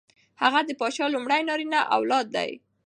هغه د پادشاه لومړی نارینه اولاد دی.